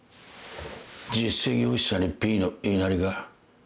実績欲しさにＰの言いなりか？